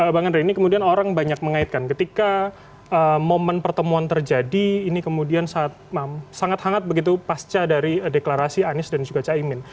bang andre ini kemudian orang banyak mengaitkan ketika momen pertemuan terjadi ini kemudian sangat hangat begitu pasca dari deklarasi anies dan juga caimin